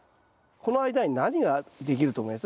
この間に何ができると思います？